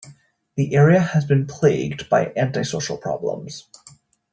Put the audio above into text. The area has been plagued by antisocial problems.